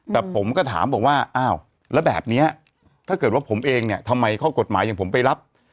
แต่ผมก็ถามบอกว่าอ้าวแล้วแบบนี้ถ้าเกิดว่าผมเองเนี่ยทำไมข้อกฎหมายอย่างผมไปรับ